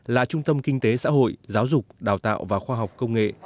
là trung tâm kinh tế xã hội giáo dục đào tạo và khoa học công nghệ